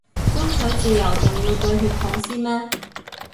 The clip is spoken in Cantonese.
爭取自由仲要對血統先咩